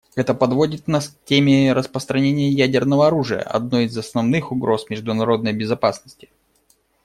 Это подводит нас к теме распространения ядерного оружия, одной из основных угроз международной безопасности.